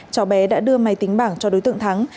cháu bé đã đưa máy tính bảng cho đối tượng thắng